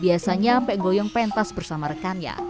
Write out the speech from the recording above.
biasanya mpek goyong pentas bersama rekannya